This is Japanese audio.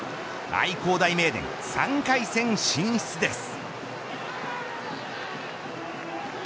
愛工大名電、３回戦進出です。